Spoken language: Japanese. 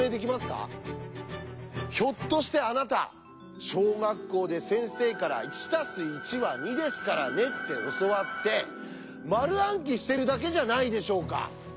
ひょっとしてあなた小学校で先生から「１＋１は２ですからね」って教わって丸暗記してるだけじゃないでしょうか？